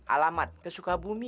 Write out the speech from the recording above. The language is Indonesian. alamat ke sukabumi